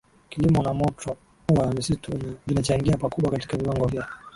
kilimo na moto wa misitu vinachangia pakubwa katika viwango vya